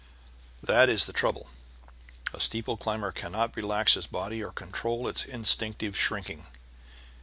That is the trouble, a steeple climber cannot relax his body or control its instinctive shrinking.